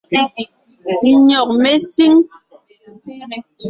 Nÿɔ́g mé síŋ.